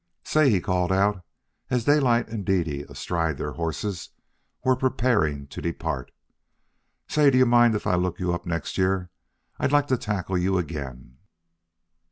"Say," he called out, as Daylight and Dede, astride their horses, were preparing to depart. "Say do you mind if I look you up next year? I'd like to tackle you again."